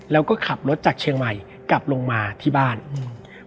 แล้วก็ขับรถจากเชียงใหม่กลับลงมาที่บ้านอืม